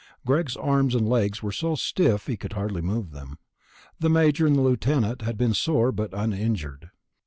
Greg's arms and legs were so stiff he could hardly move them. The Major and the Lieutenant had been sore but uninjured.